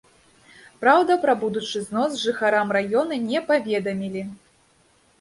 Праўда, пра будучы знос жыхарам раёна не паведамілі.